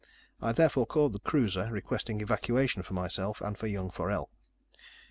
I therefore called the cruiser, requesting evacuation for myself and for young Forell.